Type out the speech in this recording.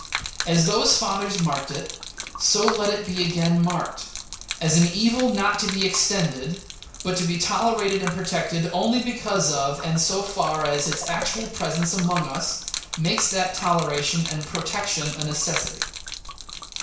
As those fathers marked it, so let it be again marked, as an evil not to be extended, but to be tolerated and protected only because of, and so far as, its actual presence among us makes that toleration and protection a necessity.